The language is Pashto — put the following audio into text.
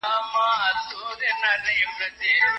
د تيوري او عمل يووالی د برياليتوب راز دی.